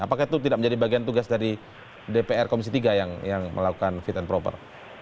apakah itu tidak menjadi bagian tugas dari dpr komisi tiga yang melakukan fit and proper